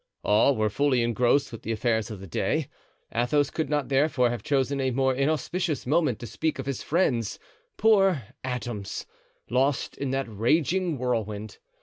All were fully engrossed with the affairs of the day; Athos could not therefore have chosen a more inauspicious moment to speak of his friends—poor atoms, lost in that raging whirlwind.